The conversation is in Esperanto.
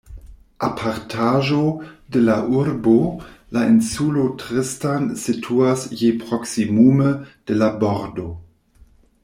Apartaĵo de la urbo, la insulo Tristan situas je proksimume de la bordo.